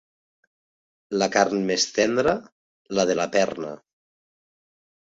La carn més tendra, la de la perna.